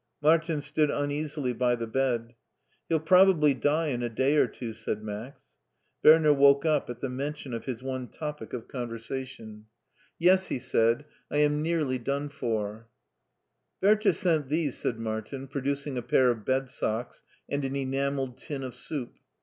Martin stood uneasily by the bed. *' He'll probably die in a day or two/* said Max. Werner woke up at the mention of his one topic of conversation. €t €t €€ U HEIDELBERG 69 " Yes," he said, " I am nearly done for/* Bertha sent these/' said Martin, producing a pair of bed socks and an enamelled tin of soup.